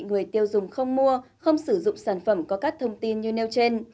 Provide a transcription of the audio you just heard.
người tiêu dùng không mua không sử dụng sản phẩm có các thông tin như nêu trên